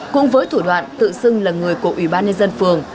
cũng với thủ đoạn tự xưng là người của ubnd phường